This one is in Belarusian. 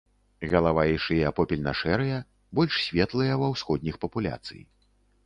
Галава і шыя попельна-шэрыя, больш светлыя ва ўсходніх папуляцый.